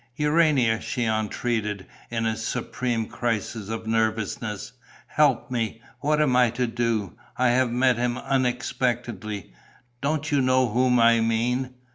"Urania," she entreated, in a supreme crisis of nervousness, "help me! What am I to do? I have met him unexpectedly. Don't you know whom I mean?